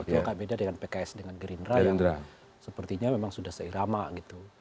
itu agak beda dengan pks dengan gerindra yang sepertinya memang sudah seirama gitu